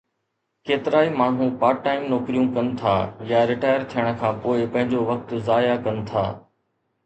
ڪيترائي ماڻهو part time نوڪريون ڪن ٿا يا رٽائر ٿيڻ کان پوءِ پنهنجو وقت ضايع ڪن ٿا